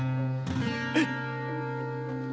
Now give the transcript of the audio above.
えっ。